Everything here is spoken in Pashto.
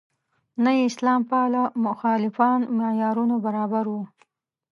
نه یې اسلام پاله مخالفان معیارونو برابر وو.